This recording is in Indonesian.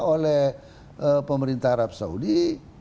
oleh pemerintah arab saudi